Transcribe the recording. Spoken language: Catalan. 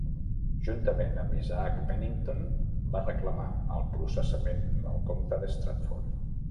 Juntament amb Isaac Penington, va reclamar el processament del comte de Strafford.